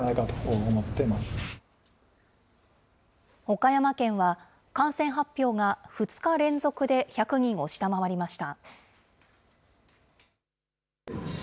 岡山県は、感染発表が２日連続で１００人を下回りました。